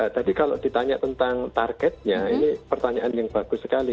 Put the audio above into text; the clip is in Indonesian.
tadi kalau ditanya tentang targetnya ini pertanyaan yang bagus sekali